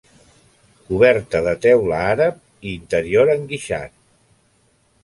Coberta de teula àrab i interior enguixat.